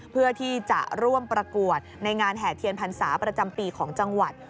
เพื่อที่จะร่วมประกวดในงานแห่เทียนพรรษาประจำปีของจังหวัด